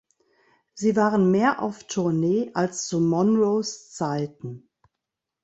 Sie waren mehr auf Tournee als zu Monroes Zeiten.